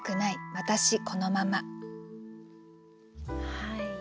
はい。